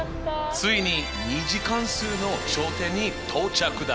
ついに２次関数の頂点に到着だ！